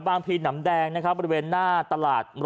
พีหนำแดงนะครับบริเวณหน้าตลาด